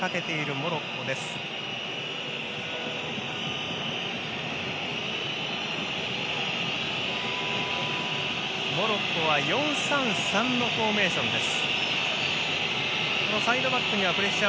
モロッコは４−３−３のフォーメーションです。